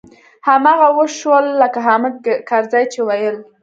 هماغه و شول لکه حامد کرزي چې ويل.